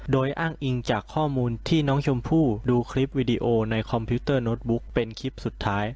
โดยอ้างอิงจากข้อมูลที่น้องชมพู่ดูคลิปวิดีโอในคอมพิวเตอร์โน้ตบุ๊กเป็นคลิปสุดท้าย